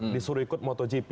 disuruh ikut motogp